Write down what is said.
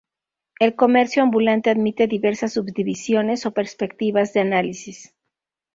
El comercio ambulante admite diversas subdivisiones o perspectivas de análisis.